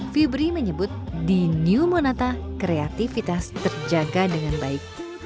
fibri menyebut di new monata kreativitas terjaga dengan baik